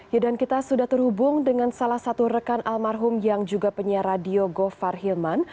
ya dan kita sudah terhubung dengan salah satu rekan almarhum yang juga penyiar radio gofar hilman